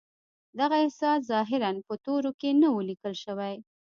دغه احساس ظاهراً په تورو کې نه و ليکل شوی.